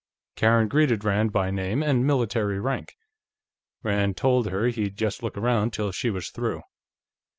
Karen greeted Rand by name and military rank; Rand told her he'd just look around till she was through.